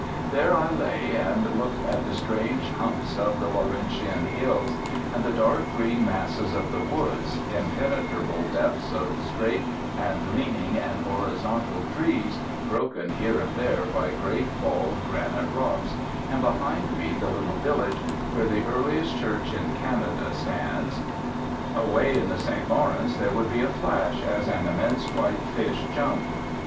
There I lay, and looked at the strange humps of the Laurentian hills, and the dark green masses of the woods, impenetrable depths of straight and leaning and horizontal trees, broken here and there by great bald granite rocks, and behind me the little village, where the earliest church in Canada stands. Away in the St Lawrence there would be a flash as an immense white fish jumped.